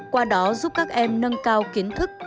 qua đó giúp các em nâng cao kiến thức